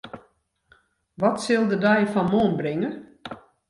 Wat sil de dei fan moarn bringe?